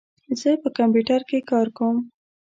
زه په کمپیوټر کې کار کوم.